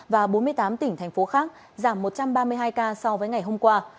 và bốn mươi tám tỉnh thành phố khác giảm một trăm ba mươi hai ca so với ngày hôm qua